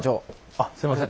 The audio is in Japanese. あっすいません。